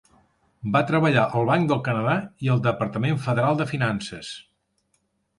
Va treballar al Banc del Canadà i al Departament Federal de Finances.